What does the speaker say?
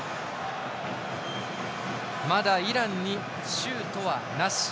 まだイランにシュートなし。